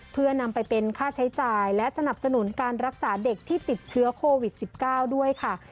เพื่อนำไปเป็นค่าใช้จ่ายและสนับสนุนการรักษาเด็กที่ติดเชื้อโควิด๑๙ด้วยค่ะ